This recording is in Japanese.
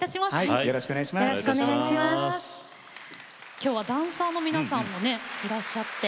今日はダンサーの皆さんもいらっしゃって。